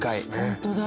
ホントだ。